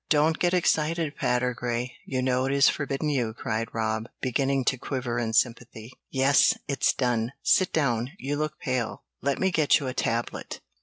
"Don't get excited, Patergrey; you know it is forbidden you," cried Rob, beginning to quiver in sympathy. "Yes, it's done. Sit down; you look pale let me get you a tablet."